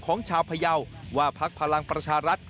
ของชาวพยาวว่าพักพลังประชารัฐ